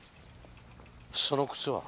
その靴は？